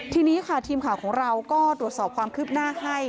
ทีนี้ค่ะทีมข่าวของเราก็ตรวจสอบความคืบหน้าให้